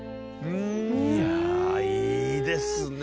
うん！いやいいですね。